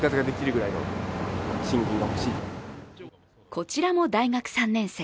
こちらも大学３年生。